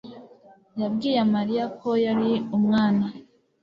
yabwiye mariya ko yari umwana